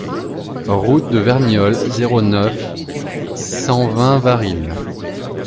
Route de Verniolle, zéro neuf, cent vingt Varilhes